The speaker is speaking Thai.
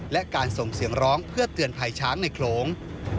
และการส่งเสียงร้องเพื่อเตือนภัยช้างในโขลง